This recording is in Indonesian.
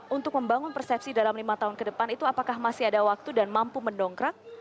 untuk membangun persepsi dalam lima tahun ke depan itu apakah masih ada waktu dan mampu mendongkrak